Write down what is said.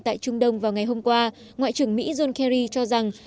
tại trung đông vào ngày hôm qua ngoại trưởng mỹ john kerry cho rằng